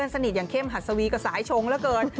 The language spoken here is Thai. คนสนิทอย่างเข้มหัสสวี้กับสายชงร้ะเกิน